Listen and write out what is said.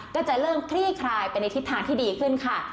ก็จะเริ่มคลี่คลายไปในทิศทางที่ดีขึ้นค่ะ